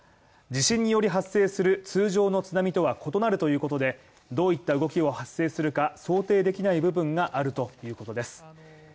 地震により発生する通常の津波とは異なるということで、どういった動きを発生するか想定できない部分があるということです。